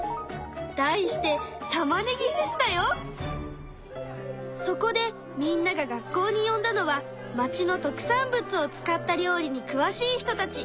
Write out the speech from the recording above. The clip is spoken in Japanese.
題して「たまねぎフェス」だよ！そこでみんなが学校によんだのは町の特産物を使った料理に詳しい人たち。